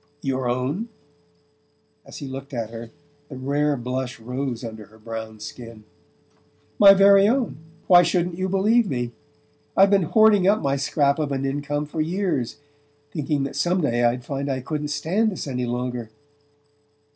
"Your own?" As he looked at her the rare blush rose under her brown skin. "My very own. Why shouldn't you believe me? I've been hoarding up my scrap of an income for years, thinking that some day I'd find I couldn't stand this any longer..."